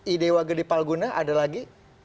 idewa gede palguna ada lagi